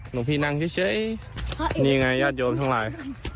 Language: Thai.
หลวงพี่นั่งเฉยนี่ไงญาติโยมทั้งหลาย